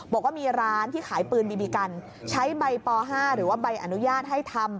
บอกว่ามีร้านที่ขายปืนบีบีกันใช้ใบป๕หรือว่าใบอนุญาตให้ทำ